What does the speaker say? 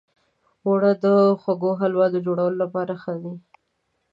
اوړه د خوږو حلوو جوړولو لپاره ښه دي